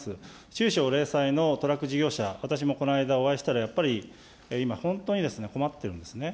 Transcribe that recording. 中小零細のトラック事業者、私もこの間お会いしたら、やっぱり、今、本当にですね、困っているんですね。